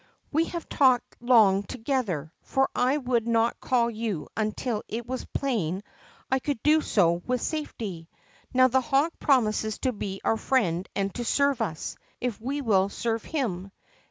We have talked long together, for I would not call you until it was plain I could do so with safety. Bow the hawk promises to be our friend and to serve us, if we will serve him.